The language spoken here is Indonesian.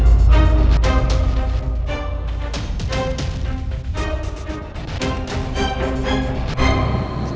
kenapa guechairkan kamu